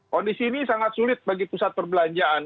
kondisi ini sangat sulit bagi pusat perbelanjaan